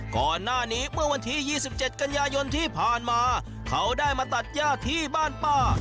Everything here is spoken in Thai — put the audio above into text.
ก่อนหน้านี้เมื่อวันที่๒๗กันยายนที่ผ่านมาเขาได้มาตัดย่าที่บ้านป้า